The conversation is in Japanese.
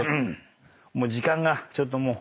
もう時間がちょっともう。